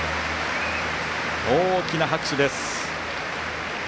大きな拍手です。